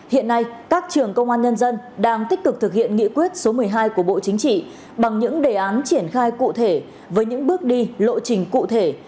hiện nay các trường công an nhân dân đang tích cực thực hiện nghị quyết số một mươi hai của bộ chính trị bằng những đề án triển khai cụ thể với những bước đi lộ trình cụ thể